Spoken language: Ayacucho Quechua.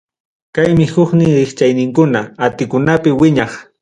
Kaymi huknin rikchaqninkuna Antikunapi wiñaq.